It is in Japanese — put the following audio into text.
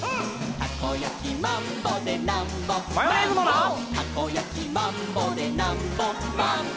「たこやきマンボでなんぼチューチュー」「たこやきマンボでなんぼマンボ」